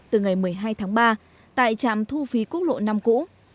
từ ngày một mươi hai tháng ba tại trạm thu phí quốc lộ năm cũ